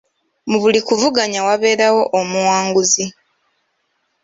Mu buli kuvuganya wabeerawo omuwanguzi.